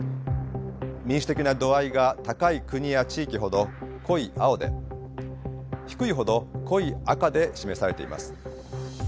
民主的な度合いが高い国や地域ほど濃い青で低いほど濃い赤で示されています。